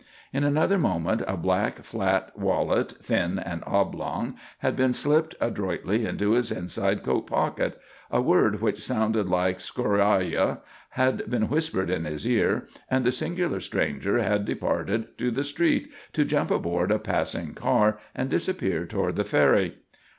In another moment a black flat wallet, thin and oblong, had been slipped adroitly into his inside coat pocket; a word which sounded like "scoraya" had been whispered in his ear, and the singular stranger had departed to the street to jump aboard a passing car, and disappear toward the ferry.